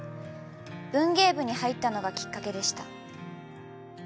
文芸部に入ったのがきっかけでした。